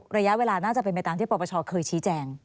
ระยะเวลาน่าจะเป็นไปตามที่ปปชเคยชี้แจง